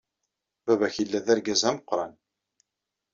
Baba-k yella d argaz ameqran.